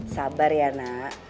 sabar ya nak